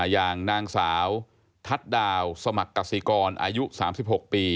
อย่างนางสาวทัศน์ดาวสมัครกสิกรอายุ๓๖ปี